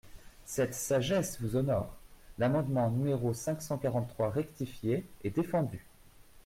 Cette sagesse vous honore ! L’amendement numéro cinq cent quarante-trois rectifié est défendu.